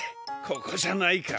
ここじゃないか。